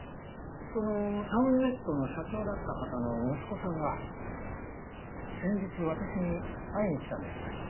そのタウンネットの社長だった方の息子さんが先日私に会いに来たんです。